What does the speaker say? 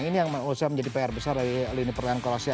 ini yang menurut saya menjadi pr besar dari lini pertahanan kroasia